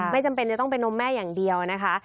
ไม่จำเป็นต้องเป็นนมแม่อย่างเดียวนะคะ